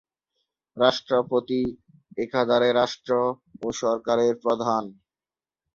রাষ্ট্রপতি একাধারে রাষ্ট্র ও সরকারের প্রধান।